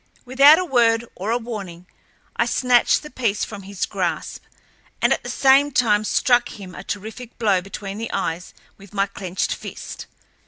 Without a word or a warning, I snatched the piece from his grasp, and, at the same time struck him a terrific blow between the eyes with my clenched fist.